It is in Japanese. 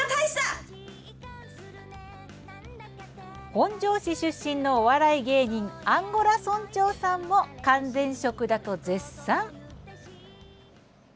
本庄市出身のお笑い芸人アンゴラ村長さんも完全食だと絶賛！